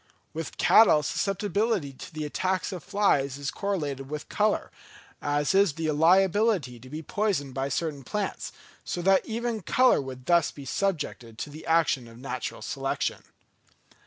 With cattle susceptibility to the attacks of flies is correlated with colour, as is the liability to be poisoned by certain plants; so that even colour would be thus subjected to the action of natural selection.